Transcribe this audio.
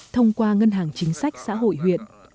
thông qua ngân hàng chính sách xã hội huyện